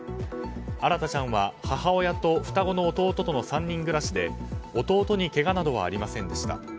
新大ちゃんは母親と双子の弟との３人暮らしで弟にけがなどはありませんでした。